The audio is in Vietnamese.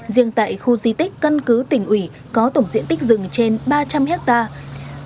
riêng tại khu di tích căn cứ tỉnh ủy có tổng diện tích rừng trên ba trăm linh hectare